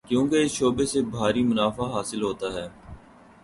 کیونکہ اس شعبے سے بھاری منافع حاصل ہوتا ہے۔